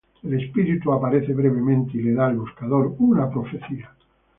El espíritu aparece brevemente y le da al buscador una profecía.